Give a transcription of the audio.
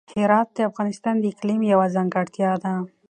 هرات د افغانستان د اقلیم یوه ځانګړتیا ده.